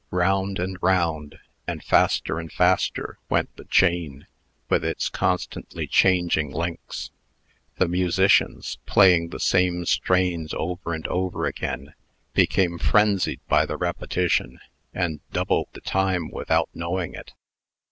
Round and round, and faster and faster, went the chain, with its constantly changing links. The musicians, playing the same strains over and over again, became frenzied by the repetition, and doubled the time without knowing it.